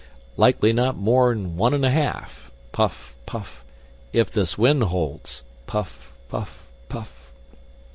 "Likely not more'n one an' a half" puff! puff! "if this wind holds." Puff! puff! puff!